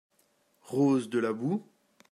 Rose De la boue ?